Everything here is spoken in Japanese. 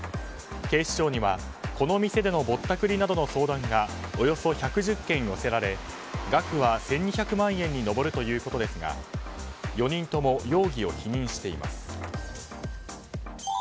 警視庁には、この店でのぼったくりなどの相談がおよそ１１０件寄せられ額は１２００万円に上るということですが４人とも容疑を否認しています。